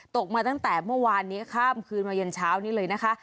ตกมาตั้งแต่เมื่อวานนี้ข้ามคืนมายันเช้านี้เลยนะคะ